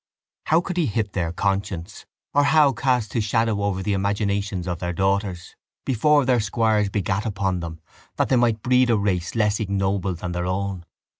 How could he hit their conscience or how cast his shadow over the imaginations of their daughters, before their squires begat upon them, that they might breed a race less ignoble than their own?